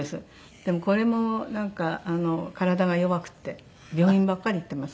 でもこれもなんか体が弱くて病院ばっかり行ってます。